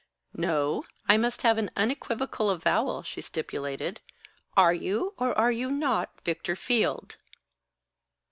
"No; I must have an unequivocal avowal," she stipulated. "Are you or are you not Victor Field?"